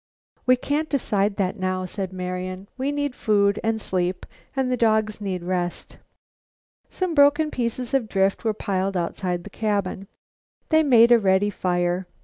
"We can't decide that now," said Marian. "We need food and sleep and the dogs need rest." Some broken pieces of drift were piled outside the cabin. These made a ready fire.